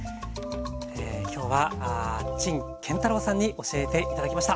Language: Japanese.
今日は陳建太郎さんに教えて頂きました。